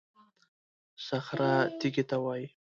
صخره تېږې ته وایي.